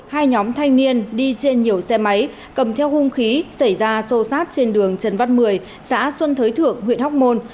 hai nhóm thanh niên đi trên nhiều xe máy cầm theo hung khí xảy ra sâu sát trên đường trần văn một mươi xã xuân thới thượng huyện hóc môn